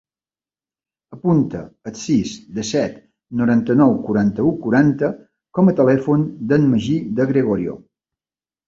Apunta el sis, disset, noranta-nou, quaranta-u, quaranta com a telèfon del Magí De Gregorio.